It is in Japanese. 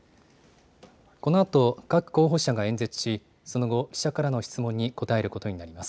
このあと各候補者が演説し、その後、記者からの質問に答えることになります。